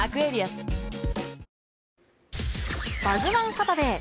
サタデー